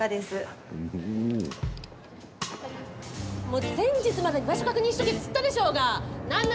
もう、前日までに場所確認しとけっつったでしょうが！